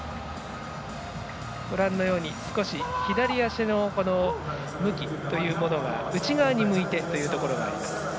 ご覧のように少し左足の向きが内側に向いてというところがあります。